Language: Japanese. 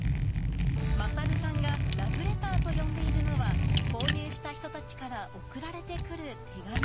勝さんがラブレターと呼んでいるのは、購入した人たちから送られてくる手紙。